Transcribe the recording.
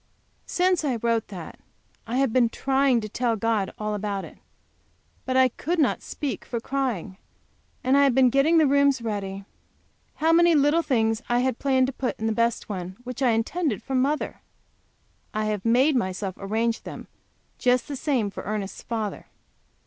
Since I wrote that I have been trying to tell God all about it. But I could not speak for crying. And I have been getting the rooms ready. How many little things I had planned to put in the best one, which I intended for mother I have made myself arrange them just the same for Ernest's father.